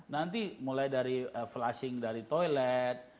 nanti mulai dari flushing dari toilet